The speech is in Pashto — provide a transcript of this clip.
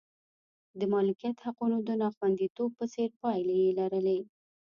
د مالکیت حقوقو د ناخوندیتوب په څېر پایلې یې لرلې.